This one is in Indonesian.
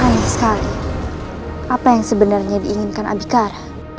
aneh sekali apa yang sebenarnya diinginkan abikar